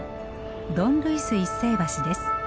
ドン・ルイス一世橋です。